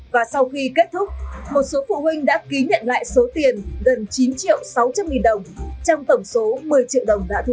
và sau khi kết thúc một số phụ huynh đã ký nhận lại số tiền gần chín triệu sáu trăm linh nghìn đồng trong tổng số một mươi triệu đồng đã thu